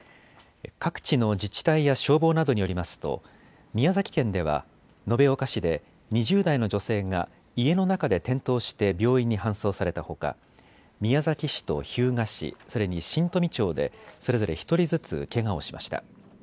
各地の自治体や消防などによりますと宮崎県では延岡市で２０代の女性が家の中で転倒して病院に搬送されたほか宮崎市と日向市、それに新富町でそれぞれ１人ずつけがをしました。